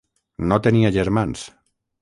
No tenia germans.